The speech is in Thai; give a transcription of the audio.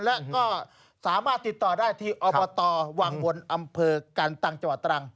และก็สามารถติดต่อได้ที่อบตวังวนอำเภอกันตังจังหวัดตรัง